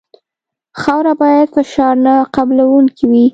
خاوره باید فشار نه قبلوونکې وي